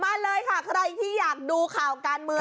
มาเลยค่ะใครที่อยากดูข่าวการเมือง